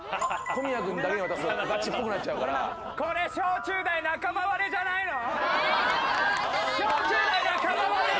小中大仲間割れじゃないの！？